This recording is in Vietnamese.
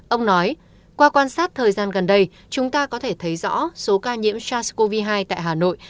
ông nói qua quan sát thời gian gần đây chúng ta có thể thấy rõ số ca nhiễm sars cov hai tại hà nội